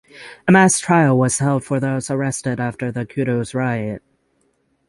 A mass trial was held for those arrested after the Kudus riot.